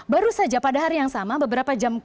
baru saja pada hari yang sama beberapa jam